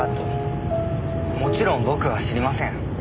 もちろん僕は知りません。